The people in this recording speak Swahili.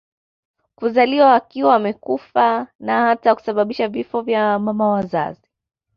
kuzaliwa wakiwa wamekufa na hata kusababisha vifo vya mama wazazi